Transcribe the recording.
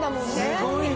すごいね！